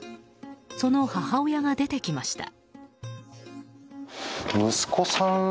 その母親が出てきました。